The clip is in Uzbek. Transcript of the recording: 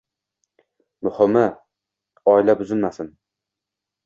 Muhimi, oila buzilmasin